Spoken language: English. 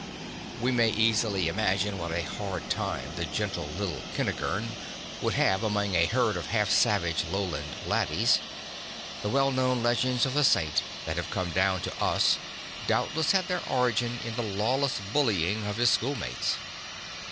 We may easily imagine what a hard time the gentle little Kentigern would have among a herd of half savage lowland laddies. The well known legends of the Saint that have come down to us doubtless had their origin in the lawless bullying of his schoolmates.